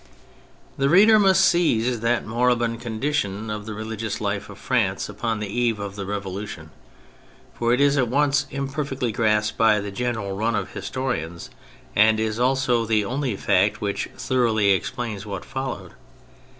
Tile reader must seize that moribund condition of the religious life of France upon the eve of the Revolution, for it is at once imperfectly grasped by the general run of historians, and is also the only fact which tho roughly explains what followed.